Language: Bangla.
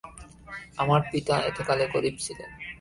আমার পিতা এতকালে গরিব ছিলেন।